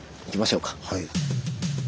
行きましょうか。